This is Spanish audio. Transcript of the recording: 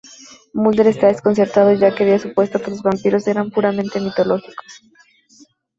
Mulder está desconcertado, ya que había supuesto que los vampiros eran puramente mitológicos.